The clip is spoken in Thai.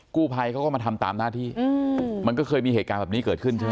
กู้ภัยเขาก็มาทำตามหน้าที่มันก็เคยมีเหตุการณ์แบบนี้เกิดขึ้นใช่ไหม